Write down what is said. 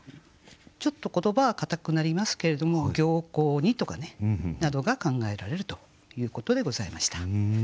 ちょっと言葉は堅くなりますけれども「暁紅に」とかねなどが考えられるということでございました。